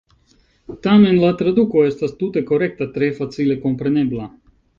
Tamen la traduko estas "tute korekta, tre facile komprenebla.